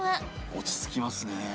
落ち着きますね。